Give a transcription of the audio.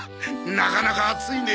なかなか熱いね！